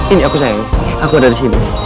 ini aku sayang aku ada di sini